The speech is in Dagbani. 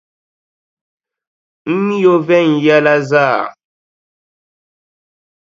M mi o viɛnyɛla zaa.